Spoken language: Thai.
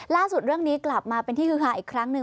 ล่าสุดเรื่องนี้กลับมาเป็นที่คือฮาอีกครั้งหนึ่ง